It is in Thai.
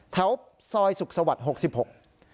แถวซอยสุขสวรรค์๖๖